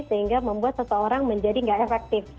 sehingga membuat seseorang menjadi tidak efektif